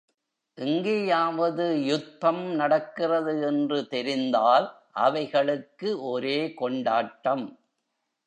எங்கேயாவது யுத்தம் நடக்கிறது என்று தெரிந்தால், அவைகளுக்கு ஒரே கொண்டாட்டம்.